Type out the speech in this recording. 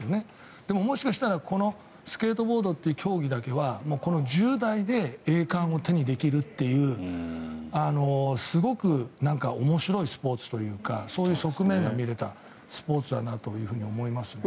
でも、もしかしたらこのスケートボードという競技だけはこの１０代で栄冠を手にできるというすごく面白いスポーツというかそういう側面が見れたスポーツだなと思いますね。